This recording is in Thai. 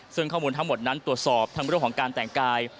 ซึ่งข้อมูลทั้งหมดนั้นตรวจสอบทั้งเรื่องของการแต่งกาย